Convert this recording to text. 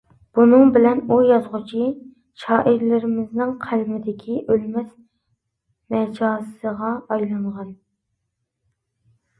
بۇنىڭ بىلەن ئۇ يازغۇچى، شائىرلىرىمىزنىڭ قەلىمىدىكى ئۆلمەس مەجازىغا ئايلانغان.